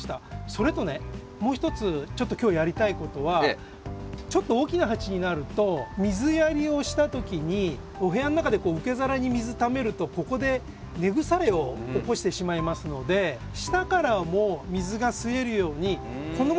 それとねもう一つちょっと今日やりたい事はちょっと大きな鉢になると水やりをした時にお部屋の中で受け皿に水ためるとここで根腐れを起こしてしまいますので下からも水が吸えるようにこんなものをご用意しました。